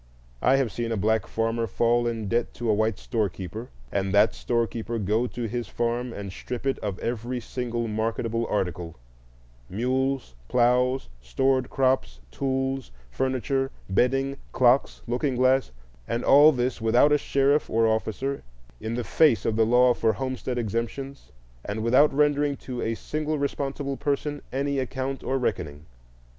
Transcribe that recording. I have seen a black farmer fall in debt to a white storekeeper, and that storekeeper go to his farm and strip it of every single marketable article,—mules, ploughs, stored crops, tools, furniture, bedding, clocks, looking glass,—and all this without a sheriff or officer, in the face of the law for homestead exemptions, and without rendering to a single responsible person any account or reckoning.